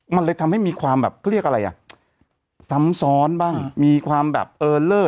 มันเลยทำให้มีความแบบเขาเรียกอะไรอ่ะซ้ำซ้อนบ้างมีความแบบเออเลอร์